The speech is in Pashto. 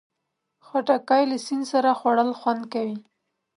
خټکی له سیند سره خوړل خوند کوي.